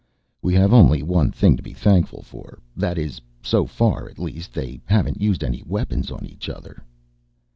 "We have only one thing to be thankful for. That is so far at least they haven't used any weapons on each other."